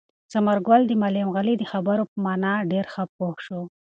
ثمر ګل د معلم غني د خبرو په مانا ډېر ښه پوه شو.